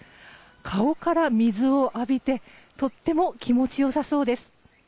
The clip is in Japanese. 顔から水を浴びてとっても気持ち良さそうです。